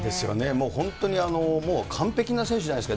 もう本当に、もう完璧な選手じゃないですか。